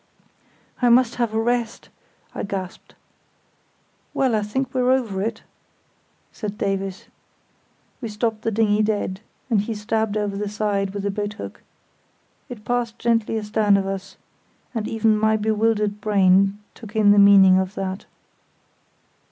"I must have a rest," I gasped. "Well, I think we're over it," said Davies. We stopped the dinghy dead, and he stabbed over the side with the boathook. It passed gently astern of us, and even my bewildered brain took in the meaning of that.